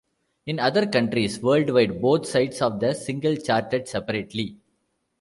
In other countries worldwide, both sides of the single charted separately.